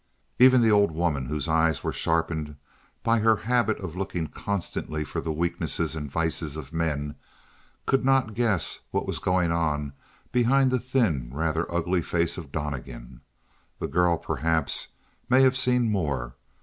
6 Even the old woman, whose eyes were sharpened by her habit of looking constantly for the weaknesses and vices of men, could not guess what was going on behind the thin, rather ugly face of Donnegan; the girl, perhaps, may have seen more.